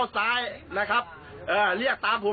โอ้โหมันไม่มีความผิดครับ